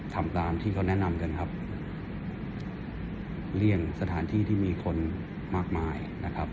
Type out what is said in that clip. ทำตามที่เขาแนะนำกันครับเลี่ยงสถานที่ที่มีคนมากมายนะครับ